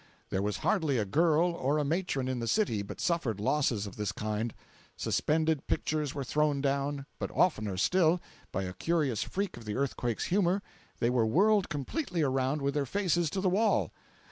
There was hardly a girl or a matron in the city but suffered losses of this kind. Suspended pictures were thrown down, but oftener still, by a curious freak of the earthquake's humor, they were whirled completely around with their faces to the wall!